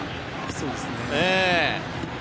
そうですね。